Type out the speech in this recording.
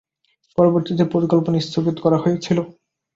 পরবর্তীতে পরিকল্পনা স্থগিত করা হয়েছিল।